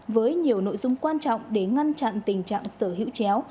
với nhiều nội dung quan trọng để ngăn chặn tình trạng sở hữu chéo